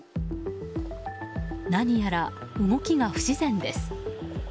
何やら動きが不自然です。